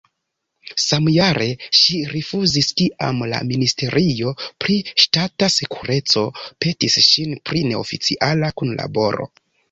Samjare ŝi rifuzis, kiam la ministerio pri ŝtata sekureco petis ŝin pri neoficiala kunlaboro.